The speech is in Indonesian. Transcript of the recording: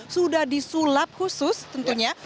sudah disulap khusus tentunya